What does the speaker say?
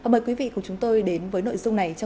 mời quý vị cùng chúng tôi đến với nội dung này trong